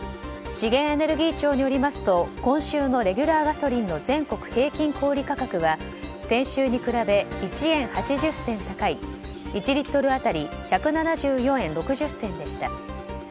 資源エネルギー庁によりますと今週のレギュラーガソリンの全国平均小売価格は先週に比べ１円８０銭高い１リットル当たり１７４円６０銭でした。